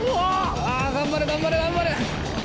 頑張れ頑張れ頑張れ！